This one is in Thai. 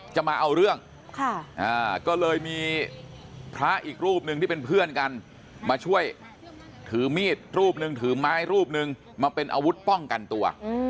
จะมาเอาเรื่องก็เลยมีพระอีกรูปหนึ่งที่เป็นเพื่อนกันมาช่วยถือมีดรูปหนึ่งถือไม้รูปหนึ่งมาเป็นอาวุธป้องกันตัว